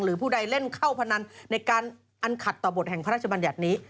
ผู้ใดเล่นเข้าพนันในการอันขัดต่อบทแห่งพระราชบัญญัตินี้